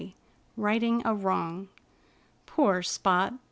XII RIGHTING A WRONG Poor Spot!